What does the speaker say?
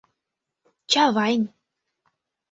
Чавайн